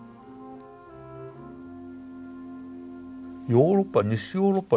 ヨーロッパ西ヨーロッパ